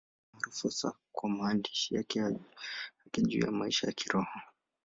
Ni maarufu hasa kwa maandishi yake juu ya maisha ya Kiroho.